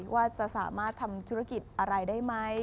ว่าจะสามารถทำธุรกิจอะไรได้ไหม